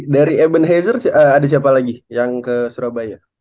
dari even hazer ada siapa lagi yang ke surabaya